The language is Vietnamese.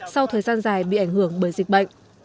sau thời gian dài bị ảnh hưởng bởi dịch bệnh